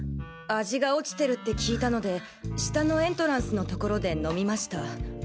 味が落ちてるって聞いたので下のエントランスの所で飲みました。